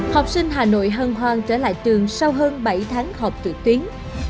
học sinh hà nội hân hoan trở lại trường sau hơn bảy tháng họp tự tuyến